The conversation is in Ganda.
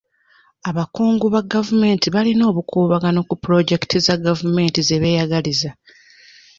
Abakungu ba gavumenti balina obukuubagano ku puloojekiti za gavumenti ze beeyagaliza.